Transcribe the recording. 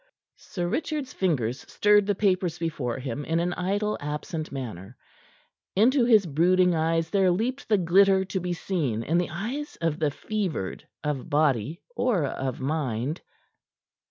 Sir Richard's fingers stirred the papers before him in an idle, absent manner. Into his brooding eyes there leapt the glitter to be seen in the eyes of the fevered of body or of mind.